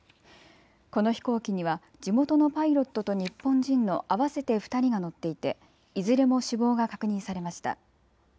この飛行機には地元のパイロットと日本人の合わせて２人が乗っていていずれも死亡が確認されました。